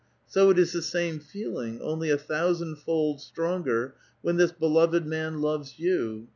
So it is the same feeling, only a thousand fold stronger, when this beloved man loves you.